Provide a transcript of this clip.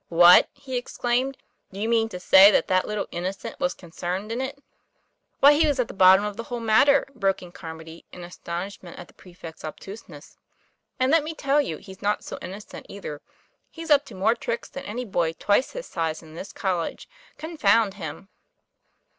"What!" he exclaimed. "Do you mean to say that that little innocent was concerned in it?" " Why, he was at the bottom of the whole matter," broke in Carmody, in astonishment at the prefect's obtuseness. :' And let me tell you, he's not so inno cent, either; he's up to more tricks than any boy twice his size in this college confound him!"